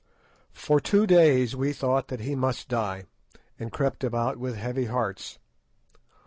For two days we thought that he must die, and crept about with heavy hearts.